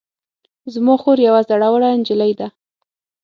زما خور یوه زړوره نجلۍ ده